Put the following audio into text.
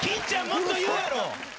もっと言うやろ。